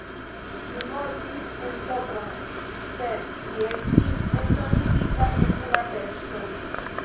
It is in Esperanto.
Li mortis en Sopron, sed li estis entombigita en Budapeŝto.